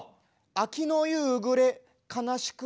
秋の夕暮れ悲しくて。